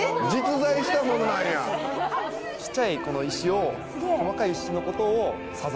えっ⁉小っちゃいこの石を。